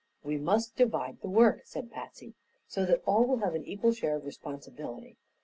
"We must divide the work," said Patsy, "so that all will have an equal share of responsibility.